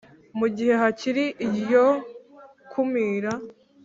mu gihe hakiri iryo kumira